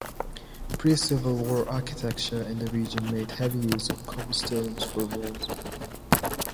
Pre-Civil War architecture in the region made heavy use of cobblestones for walls.